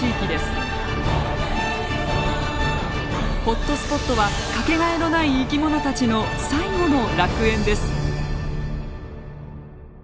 ホットスポットは掛けがえのない生き物たちの最後の楽園です。